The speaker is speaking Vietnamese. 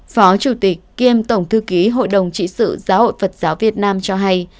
phó chủ tịch kiêm tổng thư ký hội đồng trị sự giáo hội phật giáo việt nam cho hay